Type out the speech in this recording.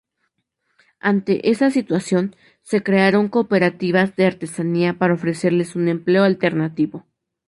Ante esa situación, se crearon cooperativas de artesanía para ofrecerles un empleo alternativo.